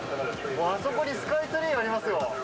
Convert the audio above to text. あそこにスカイツリーありますよ。